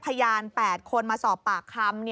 พยาน๘คนมาสอบปากคำ